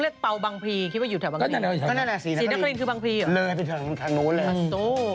เลยพนึงไปทางด้านนู้น